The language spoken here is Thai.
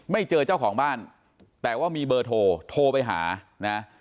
ไม่เจอเจ้าของบ้านแต่ว่ามีเบอร์โทรโทรไปหานะ